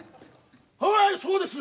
はいそうです！